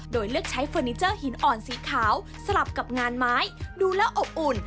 โดยเลือกใช้เฟอร์นิเจอร์หินอ่อนสีขาวสลับกับงานไม้ดูแล้วอบอุ่น